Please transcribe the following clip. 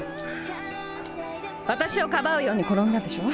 私をかばうように転んだでしょう？